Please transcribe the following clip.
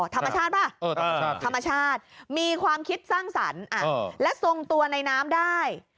ธรรมชาติป่ะธรรมชาติมีความคิดสร้างสรรค์และทรงตัวในน้ำได้